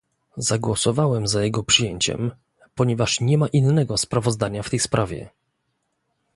Zagłosowałem za jego przyjęciem, ponieważ nie ma innego sprawozdania w tej sprawie